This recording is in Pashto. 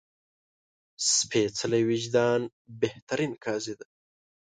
سپېڅلی وجدان بهترین قاضي ده